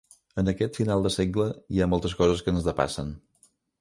En aquest final de segle hi ha moltes coses que ens depassen.